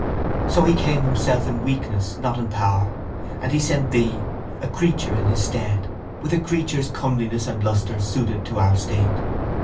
So He came Himself in weakness not in power and He sent thee, a creature in His stead, with a creature's comeliness and lustre suited to our state.